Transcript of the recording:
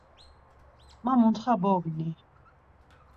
Ma mutxa bogni….